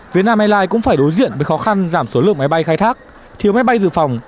việt nam airlines cũng phải đối diện với khó khăn giảm số lượng máy bay khai thác thiếu máy bay dự phòng